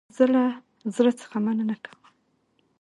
زه له زړه څخه مننه کوم